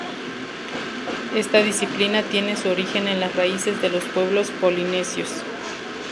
Esta disciplina tiene su origen en las raíces de los pueblos polinesios.